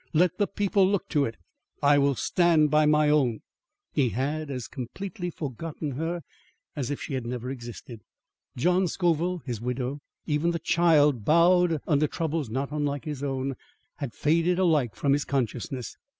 Let the people look to it! I will stand by my own." He had as completely forgotten her as if she had never existed. John Scoville, his widow, even the child bowed under troubles not unlike his own, had faded alike from his consciousness.